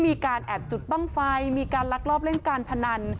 มีการแอบจุดบ้างไฟมีการลักลอบเล่นการพนัน